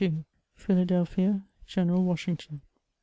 PHILJLDELPHIA — OENEBAL WASHINGTON.